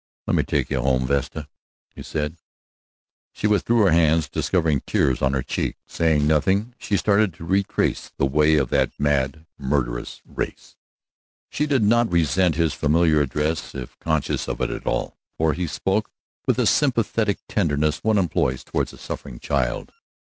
"Let me take you home, Vesta," he said. She withdrew her hands, discovering tears on her cheeks. Saying nothing, she started to retrace the way of that mad, murderous race. She did not resent his familiar address, if conscious of it at all, for he spoke with the sympathetic tenderness one employs toward a suffering child.